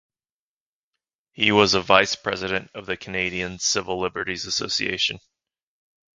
He was a vice-president of the Canadian Civil Liberties Association.